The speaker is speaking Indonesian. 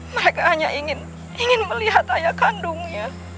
mereka hanya ingin melihat ayah kandungnya